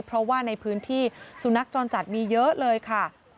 เพราะว่าในพื้นที่สุนัขจรจัดมีเยอะเลยค่ะ